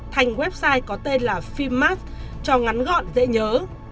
thành website có tên là fimax cho ngắn gọn dễ nhớ